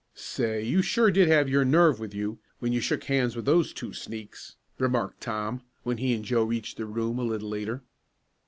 "Say, you sure did have your nerve with you, when you shook hands with those two sneaks," remarked Tom, when he and Joe reached their room, a little later.